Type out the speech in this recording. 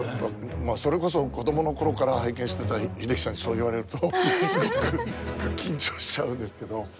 まあそれこそ子供の頃から拝見してた英樹さんにそう言われるとすごく緊張しちゃうんですけど。